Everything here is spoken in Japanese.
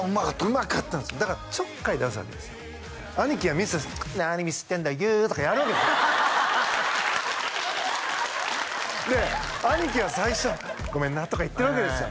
うまかったんですよだからちょっかい出すわけですよ兄貴がミスすると「何ミスってんだよ」とかやるわけですよで兄貴は最初「ごめんな」とか言ってるわけですよ